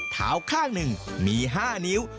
ข้างหนึ่งมี๕นิ้ว